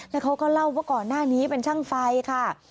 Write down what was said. แล้วเขาก็เล่าว่าก่อนหน้านี้เป็นช่างไฟค่ะ